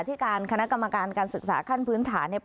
ที่การคณะกรรมการการศึกษาขั้นพื้นฐานเนี่ย